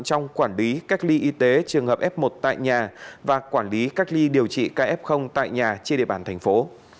trong quản lý cách ly y tế trường hợp f một tại nhà và quản lý cách ly điều trị kf tại nhà trên địa bàn thành phố